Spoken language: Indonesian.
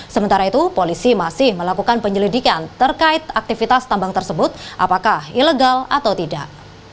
sementara itu polisi masih melakukan penyelidikan terkait aktivitas tambang tersebut apakah ilegal atau tidak